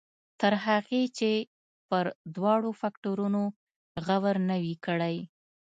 تر هغې چې پر دواړو فکټورنو غور نه وي کړی.